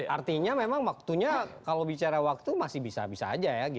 artinya memang waktunya kalau bicara waktu masih bisa bisa aja ya